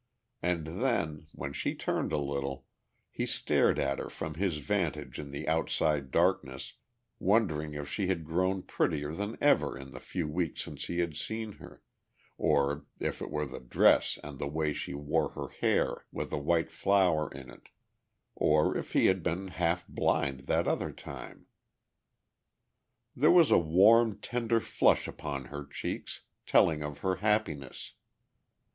And then, when she turned a little, he stared at her from his vantage in the outside darkness, wondering if she had grown prettier than ever in the few weeks since he had seen her, or if it were the dress and the way she wore her hair with a white flower in it, or if he had been half blind that other time. There was a warm, tender flush upon her cheeks telling of her happiness.